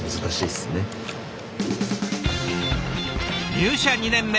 入社２年目